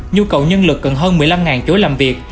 nhu cầu nhân lực cần hơn một mươi năm chỗ làm việc